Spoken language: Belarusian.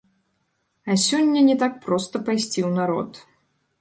А сёння не так проста пайсці ў народ.